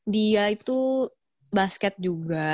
dia itu basket juga